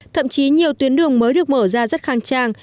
thậm chí nhiều tuyến đường mới được mở ra rất khang trang